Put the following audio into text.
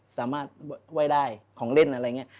สามารถไหว้ได้ของเล่นอะไรอย่างนี้